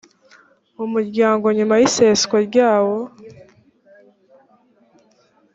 umuryango nyuma y iseswa ryawo